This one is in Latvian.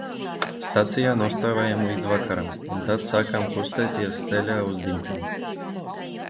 Stacijā nostāvējām līdz vakaram un tad sākām kustēties ceļā uz dzimteni.